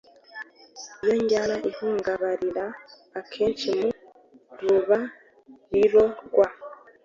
iyo njyana ihungabanira akenshi mu ruba riro rwa